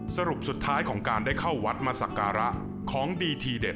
สรุปสุดท้ายของการได้เข้าวัดมาสักการะของดีทีเด็ด